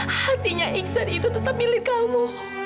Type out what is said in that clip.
hatinya iksan itu tetap milik kamu